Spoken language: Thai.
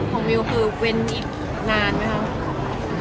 ของมิลคือกุนอีกนานมั้ยคะ